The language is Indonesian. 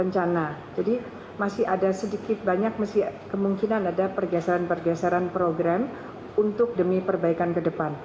jadi masih ada sedikit banyak kemungkinan ada pergeseran pergeseran program untuk demi perbaikan ke depan